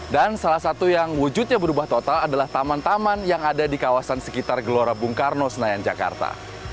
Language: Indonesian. dan salah satu yang wujudnya berubah total adalah taman taman yang ada di kawasan sekitar dulara bung karno senayan jakarta